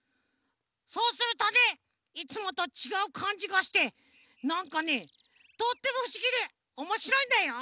そうするとねいつもとちがうかんじがしてなんかねとってもふしぎでおもしろいんだよ！